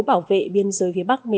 bảo vệ biên giới phía bắc